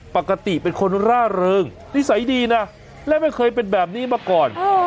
ปกติเป็นคนร่าเริงนิสัยดีนะและไม่เคยเป็นแบบนี้มาก่อน